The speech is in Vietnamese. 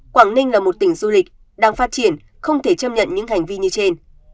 quảng ninh là một tỉnh du lịch đang phát triển không thể chấp nhận những hành vi như trên